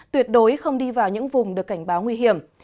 tuyệt đối không đi vào những vùng được cảnh báo nguy hiểm